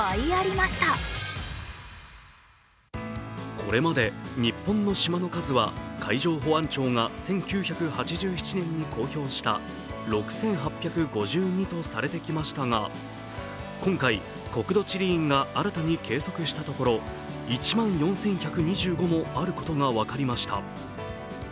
これまで日本の島の数は海上保安庁が１９８７年に公表した６８５２とされてきましたが今回、国土地理院が新たに計測したところ１万４１２５もあることが分かりました